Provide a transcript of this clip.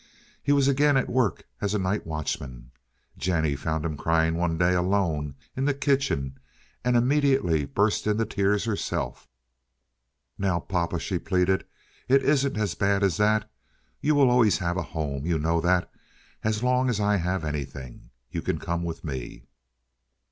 He was again at work as a night watchman. Jennie found him crying one day alone in the kitchen, and immediately burst into tears herself. "Now, papa!" she pleaded, "it isn't as bad as that. You will always have a home—you know that—as long as I have anything. You can come with me."